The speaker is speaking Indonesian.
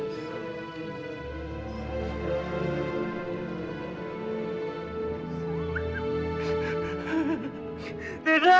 jangan sampai berira